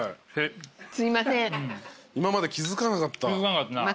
今まで気付かなかった？